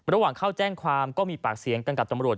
ระหว่างเข้าแจ้งความก็มีปากเสียงกันกับตำรวจ